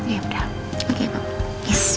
ya udah oke bapak